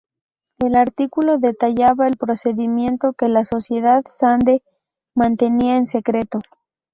El artículo detallaba el procedimiento que la sociedad Sande mantenía en secreto.